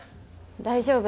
大丈夫？